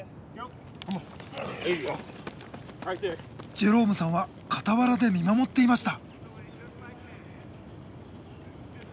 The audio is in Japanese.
ジェロームさんは傍らで見守っていました。